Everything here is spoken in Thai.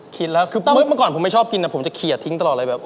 คิดแล้วคือเมื่อก่อนผมไม่ชอบกินผมจะเคลียร์ทิ้งตลอดเลยแบบ